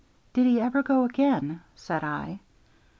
"Did he ever go again?" said I.